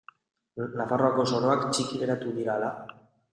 Nafarroako soroak txiki geratu dira ala?